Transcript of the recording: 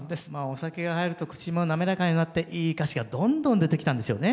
お酒が入ると口も滑らかになっていい歌詞がどんどん出てきたんでしょうね。